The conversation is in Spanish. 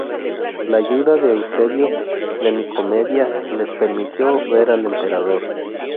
La ayuda de Eusebio de Nicomedia les permitió ver al Emperador.